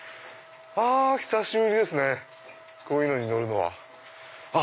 久しぶりですねこういうのに乗るのは。